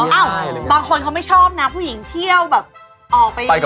มีหรือยัง